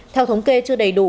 theo thống kê chưa đầy đủ